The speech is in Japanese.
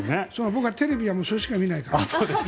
僕はテレビはそれしか見ないから。